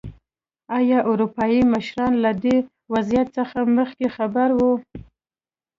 ایا اروپايي مشران له دې وضعیت څخه مخکې خبر وو.